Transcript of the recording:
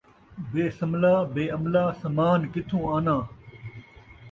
بے سملا بے عملا سامان کتھوں آناں